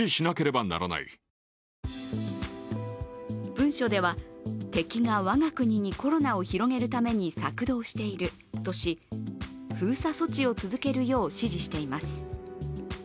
文書では、敵がわが国にコロナを広げるために策動しているとし封鎖措置を続けるよう指示しています。